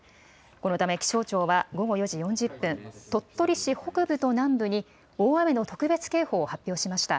このため気象庁は午後４時４０分、鳥取市北部と南部に、大雨の特別警報を発表しました。